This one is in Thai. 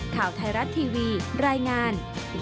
ข่าวไทยรัฐทีวีรายงาน